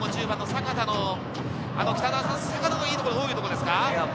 阪田のいいところは、どういうところですか？